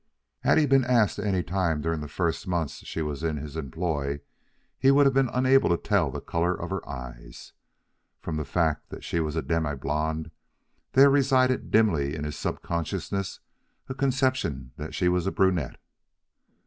Had he been asked any time during the first months she was in his employ, he would have been unable to tell the color of her eyes. From the fact that she was a demiblonde, there resided dimly in his subconsciousness a conception that she was a brunette.